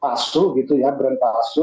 pasu gitu ya brand pasu